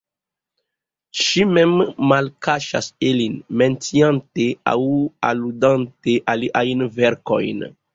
Ŝi mem malkaŝas ilin, menciante aŭ aludante iliajn verkojn.